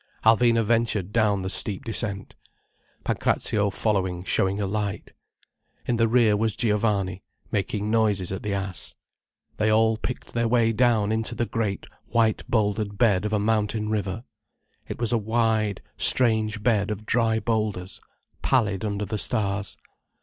Alvina ventured down the steep descent, Pancrazio following showing a light. In the rear was Giovanni, making noises at the ass. They all picked their way down into the great white bouldered bed of a mountain river. It was a wide, strange bed of dry boulders, pallid under the stars.